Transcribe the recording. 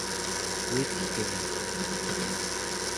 Wicked Game